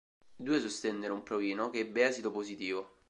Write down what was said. I due sostennero un provino, che ebbe esito positivo.